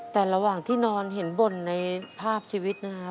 แต่ระหว่างที่นอนเห็นบ่นในภาพชีวิตนะครับ